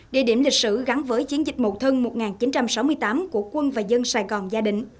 địa điểm lịch sử gắn với chiến dịch mậu thân một nghìn chín trăm sáu mươi tám của quân và dân sài gòn gia đình